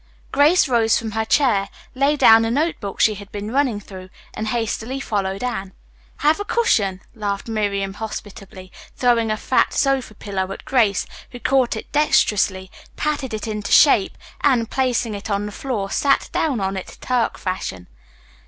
Grace rose from her chair, lay down the notebook she had been running through, and hastily followed Anne. "Have a cushion," laughed Miriam hospitably, throwing a fat sofa pillow at Grace, who caught it dextrously, patted it into shape and, placing it on the floor, sat down on it Turk fashion.